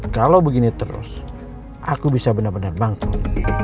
kalau begini terus aku bisa benar benar bangkit